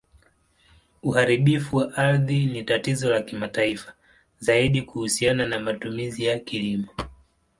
Uharibifu wa ardhi ni tatizo la kimataifa, zaidi kuhusiana na matumizi ya kilimo.